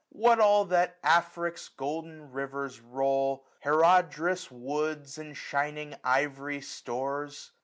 What all that Afric^s golden rivers roll. Her od'rous woods, and shining ivory stores